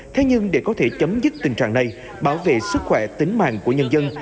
thế nhưng để có thể chấm dứt tình trạng này bảo vệ sức khỏe tính mạng của nhân dân